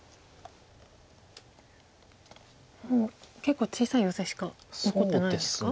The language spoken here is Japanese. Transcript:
もう結構小さいヨセしか残ってないですか？